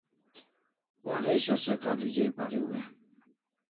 Waresho se college ai pariu e?